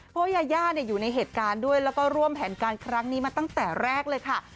เพราะว่ายาย่าอยู่ในเหตุการณ์ด้วยแล้วก็ร่วมแผนการครั้งนี้มาตั้งแต่แรกเลยค่ะ